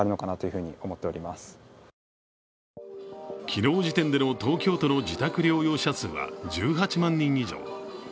昨日時点での東京都の自宅療養者数は１８万人以上。